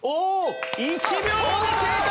１秒で正解！